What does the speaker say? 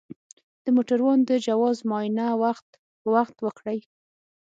د موټروان د جواز معاینه وخت په وخت وکړئ.